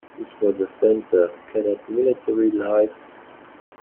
This was the center of cadet military life.